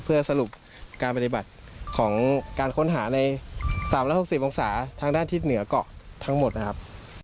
เพื่อสรุปการปฏิบัติของการค้นหาใน๓๖๐องศาทางด้านทิศเหนือเกาะทั้งหมดนะครับ